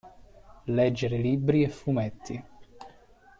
Leggere libri e fumetti.